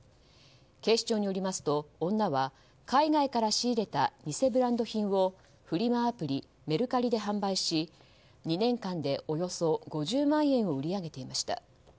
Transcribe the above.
警視庁によりますと女は海外から仕入れた偽ブランド品をフリマアプリ、メルカリで販売し２年間でおよそ５０万円を売り上げていました。